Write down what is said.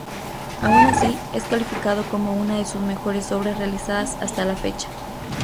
Aun así, es calificado como una de sus mejores obras realizadas hasta la fecha.